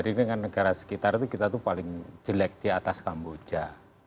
dibandingkan negara sekitar itu kita paling jelek di atas kamboja